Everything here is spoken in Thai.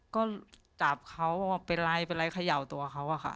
ก็จับเขาว่าเป็นไรขย่าวตัวเขาค่ะ